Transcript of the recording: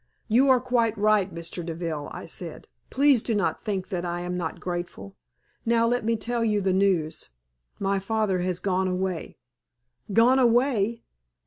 "You are quite right, Mr. Deville," I said. "Please do not think that I am not grateful. Now let me tell you the news. My father has gone away." "Gone away!